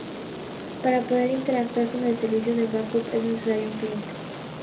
Para poder interactuar con el servicio de backup es necesario un cliente.